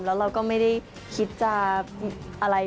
แล้วเราก็ไม่ได้คิดจะอะไร